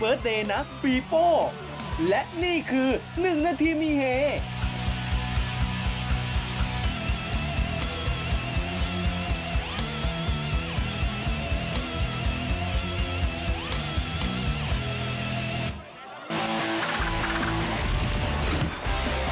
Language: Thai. นึงนาทีมีเฮวันนี้นะครับไปร่วมแสดงความยินดีกับประตูแรกในนามทีมชาติไทยของเจ้าปิโป้